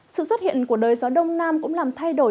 sự xuất hiện của đời gió đông nam cũng làm thay đổi